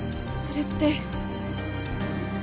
それって。